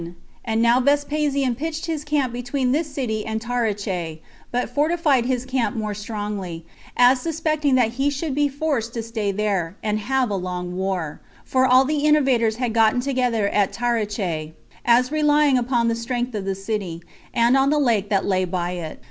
And now Vespasian pitched his camp between this city and Taricheae, but fortified his camp more strongly, as suspecting that he should be forced to stay there, and have a long war; for all the innovators had gotten together at Taricheae, as relying upon the strength of the city, and on the lake that lay by it.